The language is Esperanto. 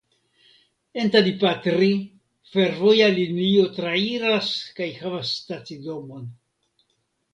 En Tadipatri fervoja linio trairas kaj havas stacidomon.